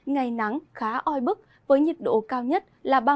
ngày nắng khá oi bức với nhiệt độ cao nhất là ba mươi một ba mươi ba độ